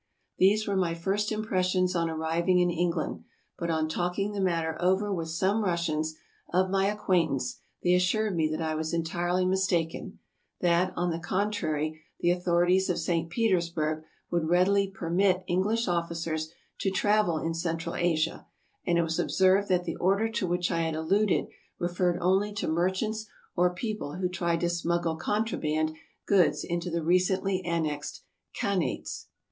These were my first impressions on arriving in England ; but on talking the matter over with some Russians of my acquaintance, they assured me that I was entirely mistaken ; that, on the con trary, the authorities at St. Petersburg would readily permit English officers to travel in Central Asia, and it was ob served that the order to which I had alluded referred only to merchants or people who tried to smuggle contraband goods into the recently annexed Khanates.